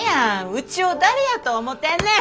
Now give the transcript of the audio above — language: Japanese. うちを誰やと思てんねん！